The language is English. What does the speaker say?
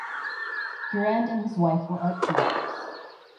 Durand and his wife were art collectors.